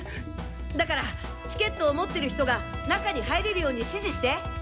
だからチケットを持ってる人が中に入れるように指示して。